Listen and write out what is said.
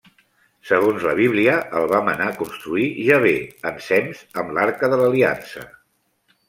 Segons la Bíblia, el va manar construir Jahvè, ensems amb l'Arca de l'Aliança.